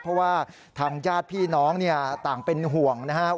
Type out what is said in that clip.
เพราะว่าทางญาติพี่น้องต่างเป็นห่วงนะครับ